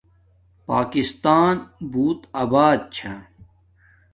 پاکستان بوت آبات چھا